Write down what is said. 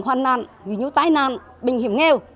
hoàn nạn ghi nhu tái nạn bệnh hiểm nghèo